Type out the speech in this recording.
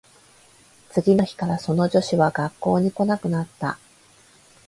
次の日からその女子は学校に来なくなった